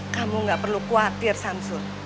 kamu gak perlu khawatir samsul